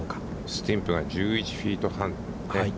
スティンプが１１フィート半。